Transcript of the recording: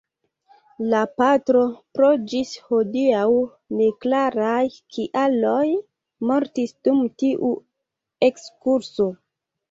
La patro pro ĝis hodiaŭ neklaraj kialoj mortis dum tiu ekskurso.